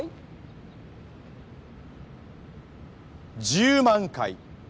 １０万回。